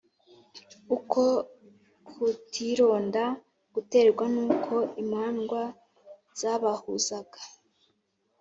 uko kutironda guterwa n'uko imandwa zabahuzaga,